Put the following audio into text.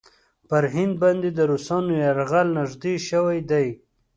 پر هند باندې د روسانو یرغل نېږدې شوی دی.